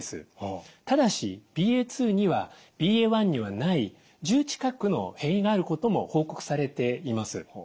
ただしＢＡ．２にはＢＡ．１にはない１０近くの変異があることも報告されています。